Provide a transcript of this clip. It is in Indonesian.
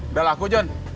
udah laku jon